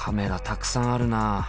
たくさんあるなあ。